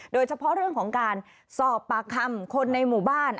โดยเฉพาะเรื่องของการสอบปากคำคนในหมู่บ้าน